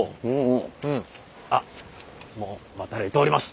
あっもう待たれております。